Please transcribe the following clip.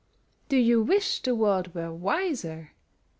Do you wish the world were wiser?